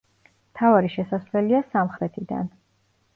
მთავარი შესასვლელია სამხრეთიდან.